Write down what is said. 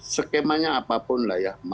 skemanya apapun lah ya